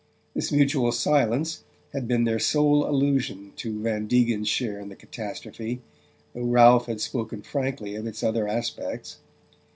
This mutual silence had been their sole allusion to Van Degen's share in the catastrophe, though Ralph had spoken frankly of its other aspects.